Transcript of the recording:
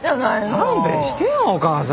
勘弁してよお母さん。